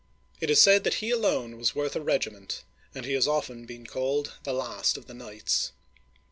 It is said that he alone was worth a regiment, and he has often been called " the last of the knights."